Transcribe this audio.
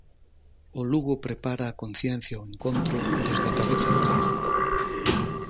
O Lugo prepara a conciencia o encontro desde a cabeza fría.